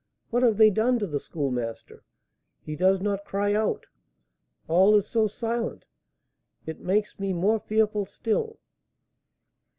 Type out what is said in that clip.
What have they done to the Schoolmaster? He does not cry out, all is so silent; it makes me more fearful still!"